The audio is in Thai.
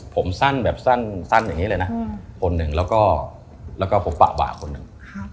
ผมสั้นแบบสั้นอย่างนี้เลยนะคนหนึ่งแล้วก็ผมปะบ่าคนหนึ่ง